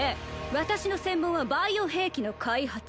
私の専門はバイオ兵器の開発